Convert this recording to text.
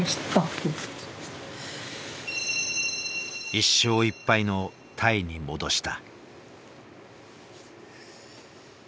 １勝１敗のタイに戻した。